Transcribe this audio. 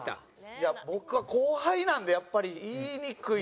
いや僕は後輩なんでやっぱり言いにくい。